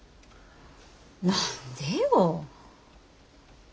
何でよ。